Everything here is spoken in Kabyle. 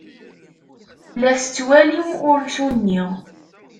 La tettwalim ursu-nni?